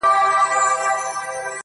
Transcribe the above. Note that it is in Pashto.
o ورځيني ليري گرځــم ليــري گــرځــــم.